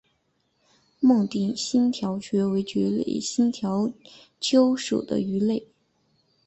孟定新条鳅为鳅科新条鳅属的鱼类。